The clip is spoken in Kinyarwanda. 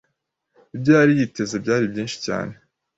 Ibyo yari yiteze byari byinshi cyane.